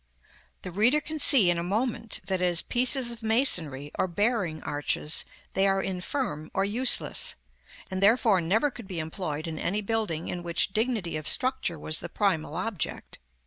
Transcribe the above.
The reader can see in a moment, that, as pieces of masonry, or bearing arches, they are infirm or useless, and therefore never could be employed in any building in which dignity of structure was the primal object.